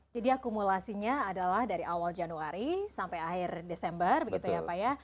jadi akumulasinya adalah dari awal januari sampai akhir desember begitu ya pak ya